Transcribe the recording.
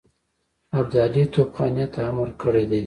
ابدالي توپخانې ته امر کړی دی.